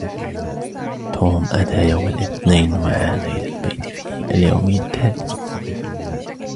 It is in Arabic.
توم أتىَ يوم الإثنين وعاد إلىَ البيت في اليوم التالي.